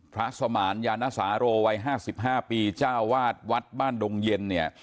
สมานยานสาโรวัย๕๕ปีเจ้าวาดวัดบ้านดงเย็นเนี่ย